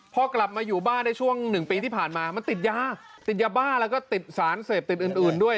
พอกลับมาอยู่บ้านในช่วงหนึ่งปีที่ผ่านมามันติดยาติดยาบ้าแล้วก็ติดสารเสพติดอื่นด้วย